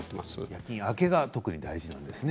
夜勤明けが大事なんですね。